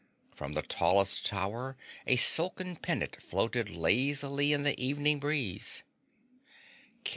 From the tallest tower, a silken pennant floated lazily in the evening breeze.